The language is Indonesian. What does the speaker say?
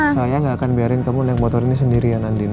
saya gak akan biarin kamu naik motor ini sendiri ya nandin